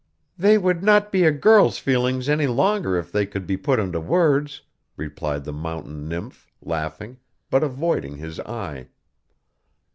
'They would not be a girl's feelings any longer if they could be put into words,' replied the mountain nymph, laughing, but avoiding his eye.